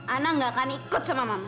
ana tidak akan ikut sama mama